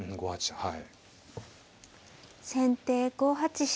はい。